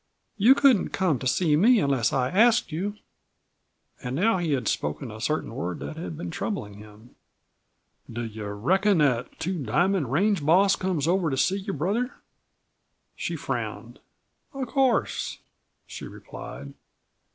"You couldn't come to see me unless I asked you." And now he had spoken a certain word that had been troubling him. "Do you reckon that Two Diamond range boss comes over to see your brother?" She frowned. "Of course!" she replied.